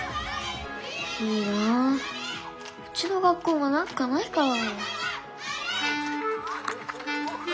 いいなうちの学校もなんかないかな。